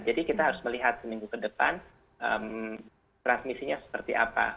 jadi kita harus melihat seminggu ke depan transmisinya seperti apa